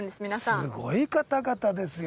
すごい方々ですよ